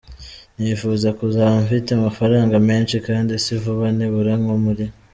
Nifuza kuzaba mfite amafaranga menshi kandi si vuba, nibura nko muri ”.